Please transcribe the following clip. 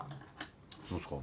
そうっすか？